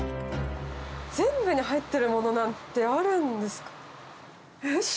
全部に入ってるものなんてあるんですか？